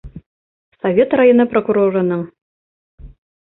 Совет районы прокурорының